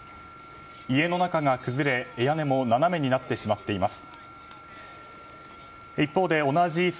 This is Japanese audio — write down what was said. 家の中が崩れ屋根も斜めになっています。